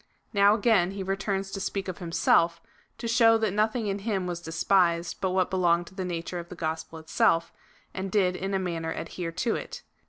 Now again he returns to speak of liimself, to show that no thing in him was despised but what belonged to the nature of the gospel itself, and did in a manner adhere to it.